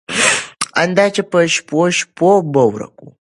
ان دا چې په شپو شپو به ورک و.